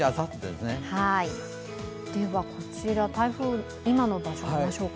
ではこちら、台風、今の場所、見ましょうか。